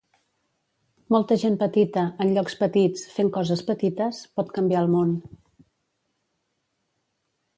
Molta gent petita, en llocs petits, fent coses petites, pot canviar el món.